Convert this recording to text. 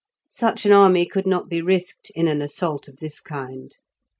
Such an army could not be risked in an assault of this kind.